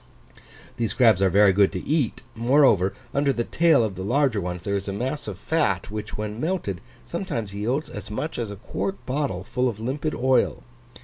These crabs are very good to eat; moreover, under the tail of the larger ones there is a mass of fat, which, when melted, sometimes yields as much as a quart bottle full of limpid oil.